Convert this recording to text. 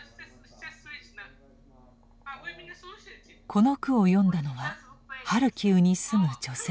この句を詠んだのはハルキウに住む女性でした。